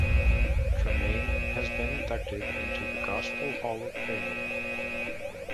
Tramaine has been inducted into the Gospel Hall of Fame.